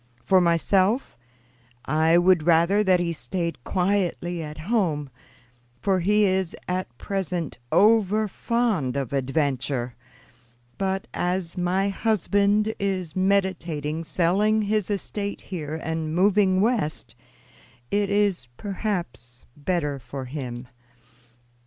For myself, I would rather that he stayed quietly at home, for he is at present over fond of adventure; but as my husband is meditating selling his estate here and moving West, it is perhaps better for him.